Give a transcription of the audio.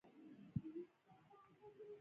دوام د حافظې له لارې ممکن کېږي.